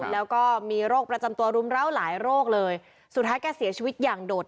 แล้วก็มีโรคประจำตัวรุมร้าวหลายโรคเลยสุดท้ายแกเสียชีวิตอย่างโดด